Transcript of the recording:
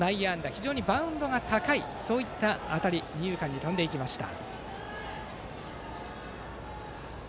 非常にバウンドが高い当たりが二遊間に飛んでいきました。